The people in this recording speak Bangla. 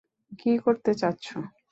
কি করতে চাচ্ছো?